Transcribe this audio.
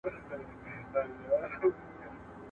خپل ملي بیرغونه پورته کوي